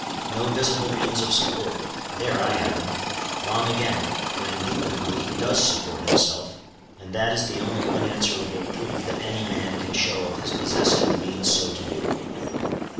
No visible means of support: there I have him. Wrong again: for indubitably he does support himself, and that is the only unanswerable proof that any man can show of his possessing the means so to do.